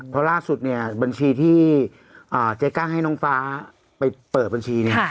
เพราะล่าสุดเนี่ยบัญชีที่เจ๊กั้งให้น้องฟ้าไปเปิดบัญชีเนี่ย